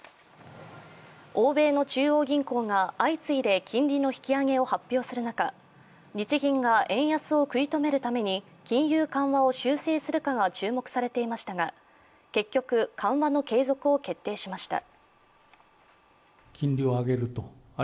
欧米の中央銀行が相次いで金利の引き上げを発表する中日銀が円安を食い止めるために金融緩和を修正するかが注目されていましたが結局緩和の継続を決定しました。